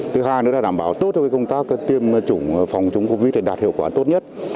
thứ hai nữa là đảm bảo tốt cho công tác tiêm chủng phòng chống covid thì đạt hiệu quả tốt nhất